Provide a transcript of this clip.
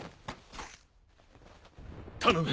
頼む。